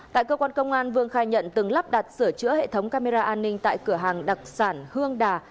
tại cơ quan công an vương khai nhận từng lắp đặt sửa chữa hệ thống camera an ninh tại cửa hàng đặc sản hương đà